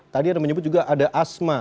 tadi ada menyebut juga ada asma